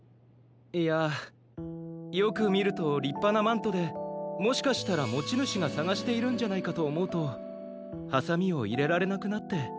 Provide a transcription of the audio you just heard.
いやあよくみるとりっぱなマントでもしかしたらもちぬしがさがしているんじゃないかとおもうとハサミをいれられなくなって。